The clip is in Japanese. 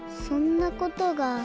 そんなことが。